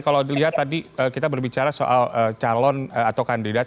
kalau dilihat tadi kita berbicara soal calon atau kandidat